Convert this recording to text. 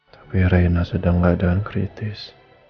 tapi reina sedang keadaan kritis